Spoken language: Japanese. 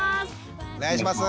お願いします。